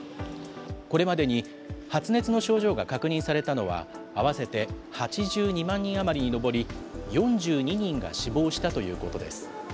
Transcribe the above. これまでに発熱の症状が確認されたのは、合わせて８２万人余りに上り、４２人が死亡したということです。